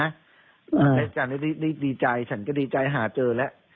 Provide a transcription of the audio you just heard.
อาจารย์ได้ดีใจฉันก็ดีใจหาเจอแล้ว